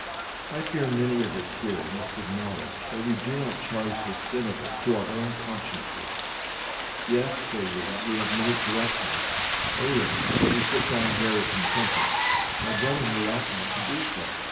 I fear many of us here must acknowledge that we do not charge the sin of it to our own consciences. Yes, say THE CARNAL MIND ENMITY AGAINST GOD. 245 we, we have many corruptions. Oh! yes. But we sit down very contented. My brethren, we ought not to do so.